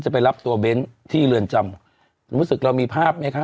ไปรับตัวเบ้นที่เรือนจำรู้สึกเรามีภาพไหมคะ